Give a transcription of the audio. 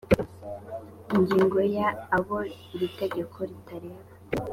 ingingo ya abo iri tegeko ritareba